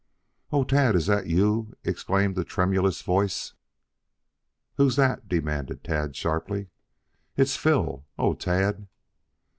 "O Tad, is that you?" exclaimed a tremulous voice. "Who's that?" demanded Tad sharply. "It's Phil. O Tad!"